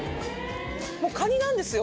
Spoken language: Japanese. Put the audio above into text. もうカニなんですよ。